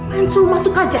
maksudnya masuk aja